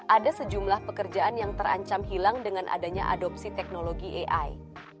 ada sejumlah pekerjaan yang terancam hilang dengan adanya adopsi teknologi ai